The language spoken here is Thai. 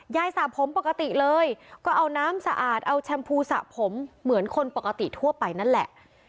สระผมปกติเลยก็เอาน้ำสะอาดเอาแชมพูสระผมเหมือนคนปกติทั่วไปนั่นแหละ